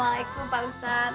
waalaikumsalam pak ustadz